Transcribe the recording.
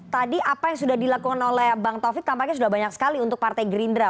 tadi apa yang sudah dilakukan oleh bang taufik tampaknya sudah banyak sekali untuk partai gerindra